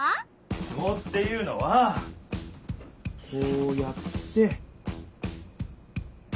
ひょうっていうのはこうやって。